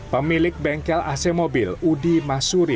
pemilik bengkel ac mobil udi masuri